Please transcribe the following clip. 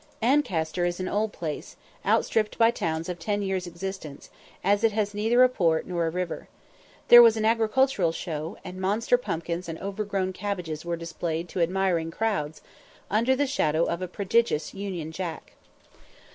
Ancaster is an old place, outstripped by towns of ten years' existence, as it has neither a port nor a river. There was an agricultural show, and monster pumpkins and overgrown cabbages were displayed to admiring crowds, under the shadow of a prodigious union jack.